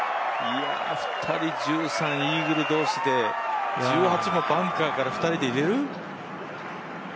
２人、１３、イーグル同士で、２人バンカーから２人入れる？